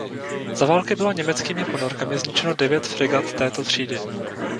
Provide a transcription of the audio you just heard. Za války bylo německými ponorkami zničeno devět fregat této třídy.